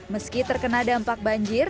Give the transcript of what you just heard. meski terkena dampak banjir